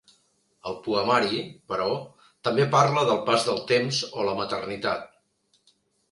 El poemari, però, també parla del pas del temps o la maternitat.